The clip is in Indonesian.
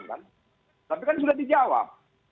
tapi kan sudah dijawab